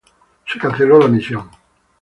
Se canceló la misión.